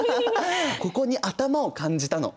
ここに頭を感じたの。